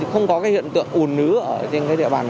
không có cái hiện tượng ủn nứa trên cái địa bàn